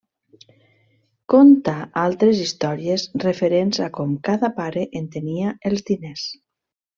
Conta altres històries referents a com cada pare entenia els diners.